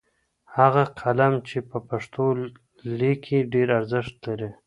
هغه قلم چې په پښتو لیکي ډېر ارزښت لري.